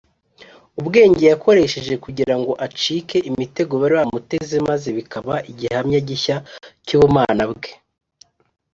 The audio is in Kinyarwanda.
ubwenge yakoresheje kugira ngo acike imitego bari bamuteze maze bikaba igihamya gishya cy’ubumana bwe